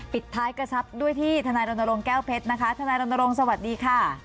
ปิดท้ายกระชับด้วยที่ทนายรณรงค์แก้วเพชรนะคะทนายรณรงค์สวัสดีค่ะ